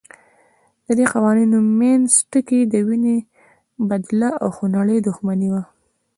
ددې قوانینو منځ ټکی د وینې بدله او خونړۍ دښمني وه.